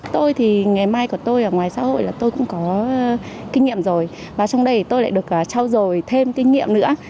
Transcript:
tôi ở ngoài xã hội là tôi cũng có kinh nghiệm rồi và trong đây tôi lại được trao dồi thêm kinh nghiệm nữa